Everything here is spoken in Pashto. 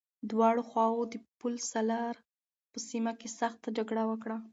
دواړو خواوو د پل سالار په سيمه کې سخته جګړه وکړه.